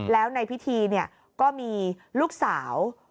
แล้วในพิธีก็มีลูกสาว